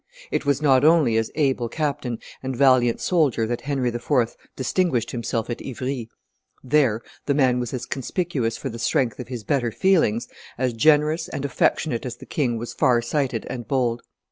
It was not only as able captain and valiant soldier that Henry IV. distinguished himself at Ivry; there the man was as conspicuous for the strength of his better feelings, as generous and as affectionate as the king was farsighted and bold.